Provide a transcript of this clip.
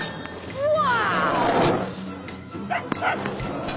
うわ。